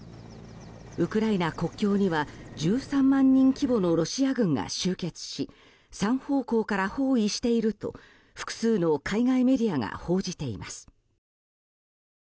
ウクライナ国境には１３万人規模のロシア軍が集結し３方向から包囲していると複数の海外メディアが報じています。